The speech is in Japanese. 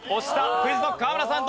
ＱｕｉｚＫｎｏｃｋ河村さん